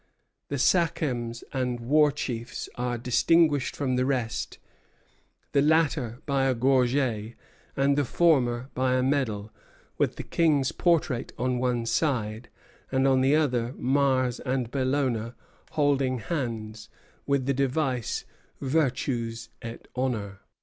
The sachems and war chiefs are distinguished from the rest: the latter by a gorget, and the former by a medal, with the King's portrait on one side, and on the other Mars and Bellona joining hands, with the device, Virtues et Honor."